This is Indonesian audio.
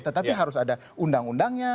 tetapi harus ada undang undangnya